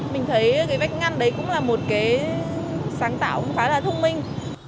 mình thấy cái vách ngăn đấy cũng là một cái sáng tạo cũng khá là thông minh